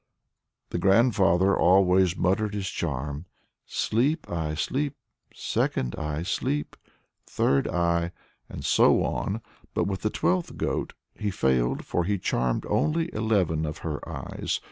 The grandfather always muttered his charm 'Sleep, eye! Sleep, second eye! Sleep, third eye!' and so on. But with the twelfth goat he failed, for he charmed only eleven of her eyes.